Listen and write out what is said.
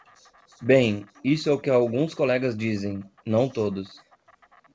Bem, isso é o que alguns colegas dizem, não todos.